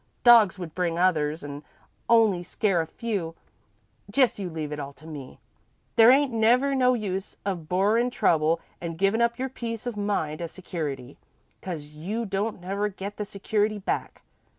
Dogs would bring others an' only scare a few. Just you leave it all to me. There ain't never no use in borrerin' trouble an' givin' up your peace of mind as security, 'cause you don't never get the security back.